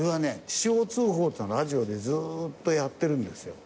気象通報っていうのがラジオでずーっとやってるんですよ。